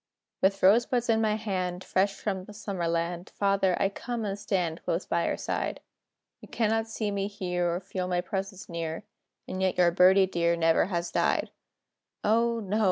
] With rosebuds in my hand, Fresh from the Summer land, Father, I come and stand Close by your side. You cannot see me here, Or feel my presence near, And yet your "Birdie" dear Never has died. O, no!